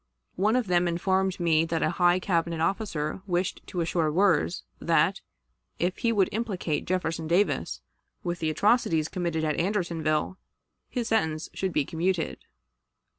One of them informed me that a high Cabinet officer wished to assure Wirz that, if he would implicate Jefferson Davis with the atrocities committed at Andersonville, his sentence should be commuted.